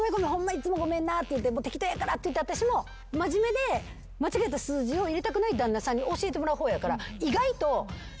いつもごめんなって言って適当やからって言って私も真面目で間違えた数字を入れたくない旦那さんに教えてもらう方やから。